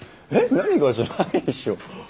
「何が？」じゃないでしょ。